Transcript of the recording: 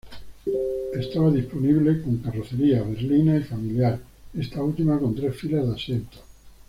Estaba disponible con carrocerías berlina y familiar, esta última con tres filas de asientos.